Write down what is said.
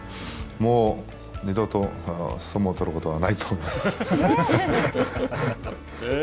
もう二度と相撲を取ることはないと思います。